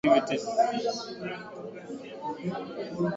This organization played a crucial role in inciting anti-Greek activities.